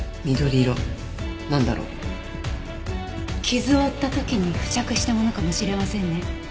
傷を負った時に付着したものかもしれませんね。